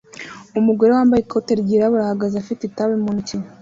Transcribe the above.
Umugore wambaye ikote ryirabura ahagaze afite itabi mu ntoki